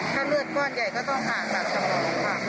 ถ้าเลือดก้อนใหญ่ก็ต้องห่างจากสมองค่ะ